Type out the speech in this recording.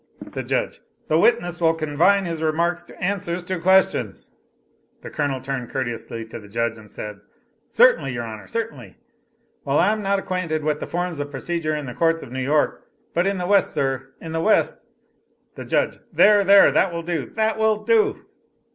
The Judge. "The witness will confine his remarks to answers to questions." The Colonel turned courteously to the Judge and said, "Certainly, your Honor certainly. I am not well acquainted with the forms of procedure in the courts of New York, but in the West, sir, in the West " The Judge. "There, there, that will do, that will do!"